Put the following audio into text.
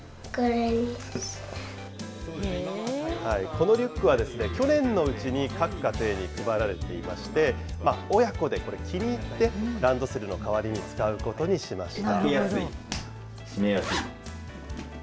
このリュックは、去年のうちに各家庭に配られていまして、親子で気に入って、ランドセルの代わりに使うことにしました。